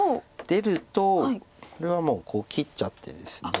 出るとこれはもう切っちゃってですね。